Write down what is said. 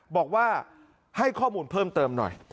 บอกว่าให้ข้อมูลเพิ่มเติมหน่อย